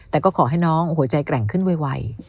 แต่ก็ขอให้น้องหัวใจแกร่งขึ้นไว